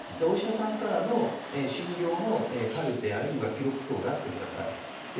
お医者さんからの診療のカルテあるいは記録等を出してください。